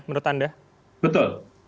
menurut anda betul